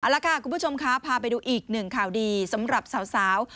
เอาละค่ะคุณผู้ชมค่ะพาไปดูอีกหนึ่งข่าวดีสำหรับสาว